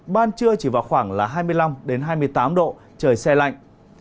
ban trưa chỉ vào khoảng là hai mươi năm hai mươi tám độ trời xe lạnh